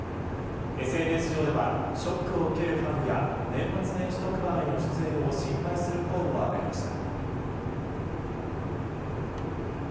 ＳＮＳ上ではショックを受けるファンや年末年始特番への出演を心配する声も上がりました。